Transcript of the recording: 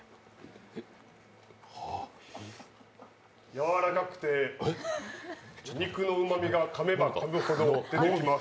やわらかくて、肉のうまみがかめばかむほど出てきます。